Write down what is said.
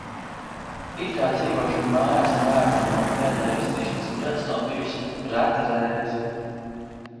It kā dzīvošana mājās ar bērniem man pēdējos trīspadsmit gadus nav bijusi reta reize.